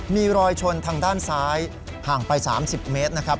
มีรอยชนทางด้านซ้ายห่างไป๓๐เมตรนะครับ